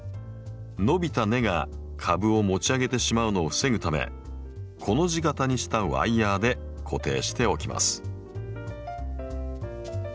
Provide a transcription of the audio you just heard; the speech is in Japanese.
伸びた根が株を持ち上げてしまうのを防ぐためコの字形にしたワイヤーで固定しておきます。